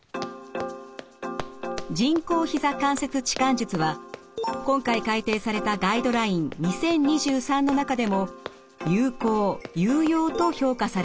人工ひざ関節置換術は今回改訂された「ガイドライン２０２３」の中でも有効有用と評価されています。